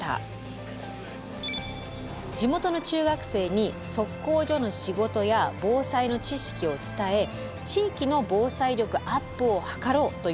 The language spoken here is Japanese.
地元の中学生に測候所の仕事や防災の知識を伝え地域の防災力アップを図ろうというものです。